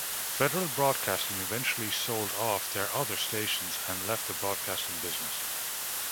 Federal Broadcasting eventually sold off their other stations and left the broadcasting business.